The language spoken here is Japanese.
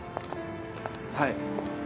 はい。